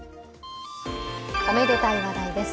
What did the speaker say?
おめでたい話題です。